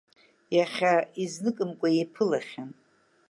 Иахьа изныкымкәа еиԥылахьан.